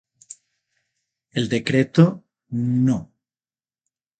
El Decreto No.